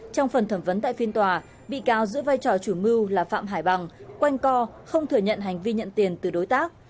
trong phần thẩm vấn tại phiên tòa bị cáo giữ vai trò chủ mưu là phạm hải bằng quanh co không thừa nhận hành vi nhận tiền từ đối tác